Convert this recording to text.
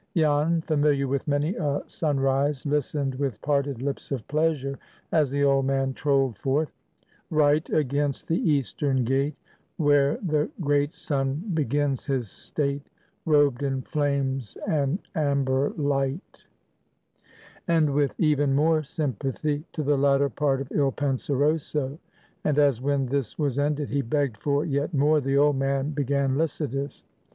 Jan, familiar with many a sunrise, listened with parted lips of pleasure, as the old man trolled forth,— "Right against the eastern gate, Where the great sun begins his state, Robed in flames and amber light," and with even more sympathy to the latter part of 'Il Penseroso;' and, as when this was ended he begged for yet more, the old man began 'Lycidas.